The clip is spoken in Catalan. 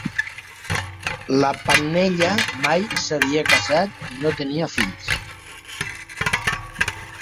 La Pannella mai s'havia casat i no tenia fills.